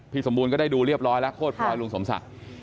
สมบูรณ์ก็ได้ดูเรียบร้อยแล้วโคตรพลอยลุงสมศักดิ์